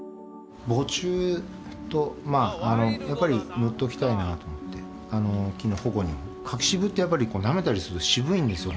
防虫とまあやっぱり塗っときたいなと思って木の保護にも柿渋ってやっぱりなめたりすると渋いんですよ